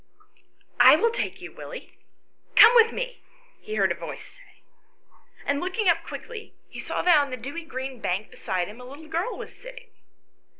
" I will take you, Willie ; come with me," he heard a voice say ; and, looking up quickly, he saw that on the dewy green bank beside him a little girl was sitting.